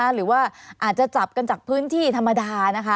หรือว่าอาจจะจับกันจากพื้นที่ธรรมดานะคะ